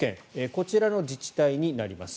こちらの自治体になります。